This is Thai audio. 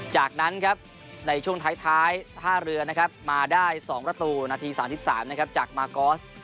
จากนั้นครับในช่วงท้ายท่าเรือนะครับมาได้๒ประตูนาที๓๓นะครับจากมากอส